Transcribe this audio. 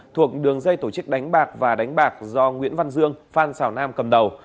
thuộc đường dây tổ chức đánh bạc và đánh bạc do nguyễn văn dương phan xào nam cầm đầu